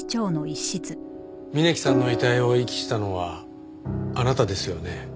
峯木さんの遺体を遺棄したのはあなたですよね？